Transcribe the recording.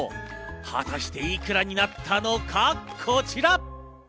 果たして、いくらになったのか、こちら。